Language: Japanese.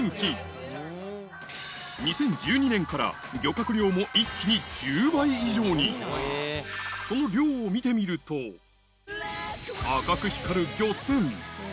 ２０１２年から漁獲量も一気に１０倍以上にその漁を見てみると赤く光る漁船